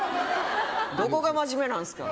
どこが真面目なんすか。